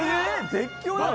絶叫なの？